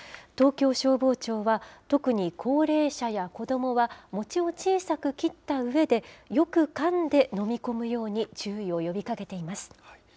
東京消防庁は、特に高齢者や子どもは餅を小さく切ったうえで、よくかんで飲み込むように注意を呼びかけています。